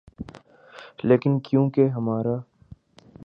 لیکن کیونکہ ہمارا